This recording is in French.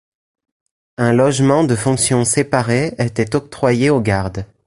Un logement de fonction séparé était octroyé au garde.